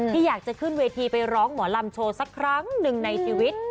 อยากจะขึ้นเวทีไปร้องหมอลำโชว์สักครั้งหนึ่งในชีวิต